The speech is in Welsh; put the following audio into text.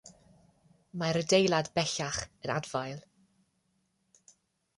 Mae'r adeilad bellach yn adfail.